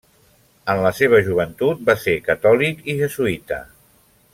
En la seva joventut va ser catòlic i jesuïta.